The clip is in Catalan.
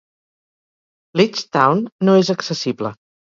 Leechtown no és accessible.